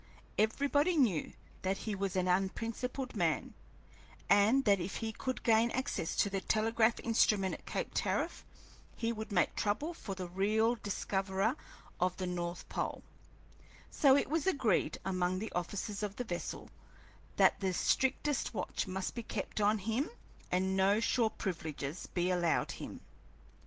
Everybody knew that he was an unprincipled man, and that if he could gain access to the telegraph instrument at Cape Tariff he would make trouble for the real discoverer of the north pole; so it was agreed among the officers of the vessel that the strictest watch must be kept on him and no shore privileges be allowed him.